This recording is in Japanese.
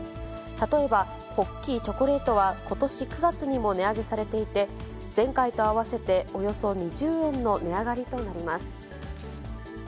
例えばポッキーチョコレートはことし９月にも値上げされていて、前回と合わせて、およそ２０円の値上がりとなります。